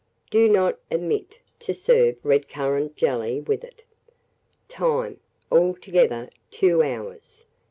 Do not omit to serve red currant jelly with it. Time. Altogether 2 hours.